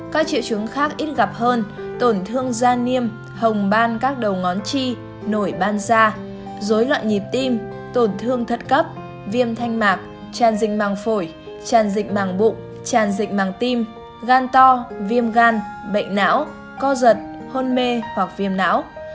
các triệu chứng khác ít gặp hơn tổn thương da niêm hồng ban các đầu ngón chi nổi ban da dối loạn nhịp tim tổn thương thật cấp viêm thanh mạc tràn dinh màng phổi tràn dịch màng bụng tràn dịch màng tim gan to viêm gan bệnh não co giật hôn mê hoặc viêm não